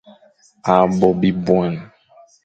A Bo bibuane.